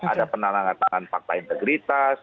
ada penerangan tangan fakta integritas